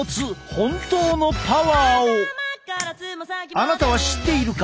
あなたは知っているか？